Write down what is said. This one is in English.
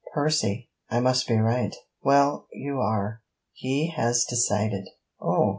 'Percy! I must be right.' 'Well, you are. He has decided!' 'Oh!